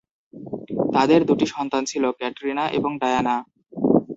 তাদের দুটি সন্তান ছিল, ক্যাটরিনা এবং ডায়ানা।